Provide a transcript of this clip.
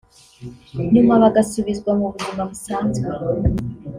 nyuma bagasubizwa mu buzima busanzwe